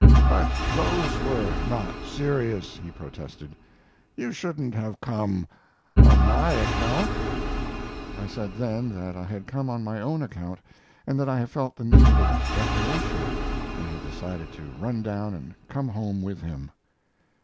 "But those were not serious," he protested. "You shouldn't have come on my account." I said then that I had come on my own account; that I had felt the need of recreation, and had decided to run down and come home with him.